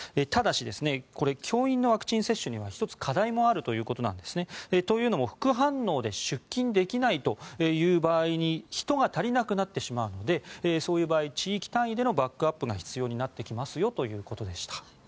ただし、教員のワクチン接種には１つ課題もあるということなんですね。というのも副反応で出勤できないという場合に人が足りなくなってしまうのでそういう場合地域単位でのバックアップが必要になってきますよということでした。